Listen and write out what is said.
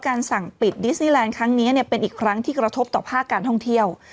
สั่งปิดดิสนีแลนด์ครั้งนี้เป็นอีกครั้งที่กระทบต่อภาคการท่องเที่ยว